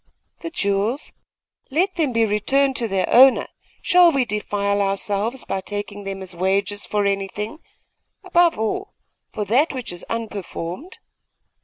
'The jewels? Let them be returned to their owner. Shall we defile ourselves by taking them as wages for anything above all, for that which is unperformed?